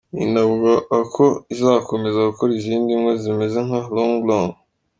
Inavuga ako izakomeza gukora izindi mbwa zimeze nka Longlong.